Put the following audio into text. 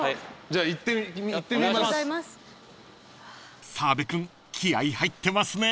じゃあいってみます。